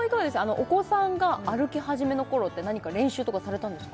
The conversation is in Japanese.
お子さんが歩き始めのころって何か練習とかされたんですか？